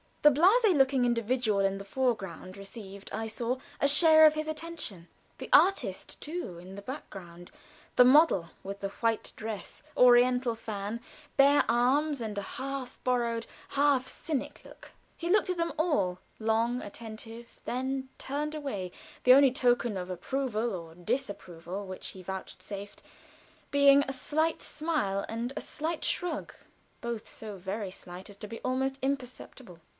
The blasé looking individual in the foreground received, I saw, a share of his attention the artist, too, in the background; the model, with the white dress, oriental fan, bare arms, and half bored, half cynic look. He looked at them all long attentively then turned away; the only token of approval or disapproval which he vouchsafed being a slight smile and a slight shrug, both so very slight as to be almost imperceptible.